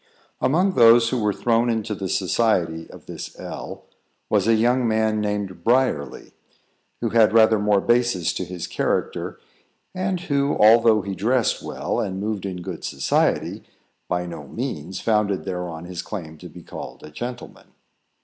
Among those who were thrown into the society of this L , was a young man, named Briarly, who had rather more basis to his character, and who, although he dressed well, and moved in good society, by no means founded thereon his claim to be called a gentleman.